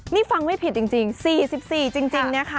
นี่ฟังไม่ผิดจริง๔๔จริงนะคะ